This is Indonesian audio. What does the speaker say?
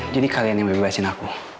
jadi kalian yang mebebaskan aku